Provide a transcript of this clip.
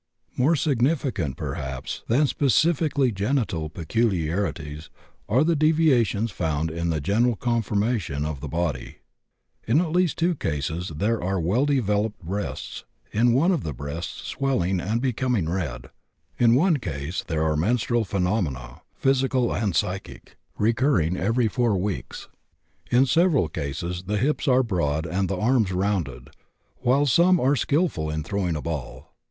More significant, perhaps, than specifically genital peculiarities are the deviations found in the general conformation of the body. In at least 2 cases there are well developed breasts, in 1 the breasts swelling and becoming red. In 1 case there are "menstrual" phenomena, physical and psychic, recurring every four weeks. In several cases the hips are broad and the arms rounded, while some are skillful in throwing a ball.